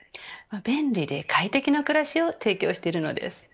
便利で快適な暮らしを提供しているのです。